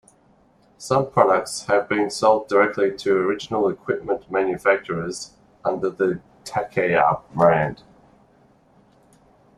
Some products have been sold directly to original equipment manufacturers under the Takaya brand.